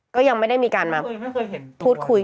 ก็ยังไม่ได้มีการมาพูดคุย